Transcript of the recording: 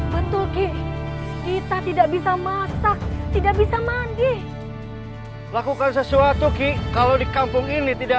petuki kita tidak bisa masak tidak bisa mandi lakukan sesuatu ki kalau di kampung ini tidak